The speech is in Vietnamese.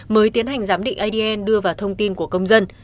mới tiến hành giám định adn đưa vào thông tin của công dân